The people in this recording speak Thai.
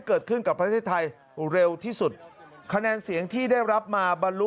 เกิดขึ้นกับประเทศไทยเร็วที่สุดคะแนนเสียงที่ได้รับมาบรรลุ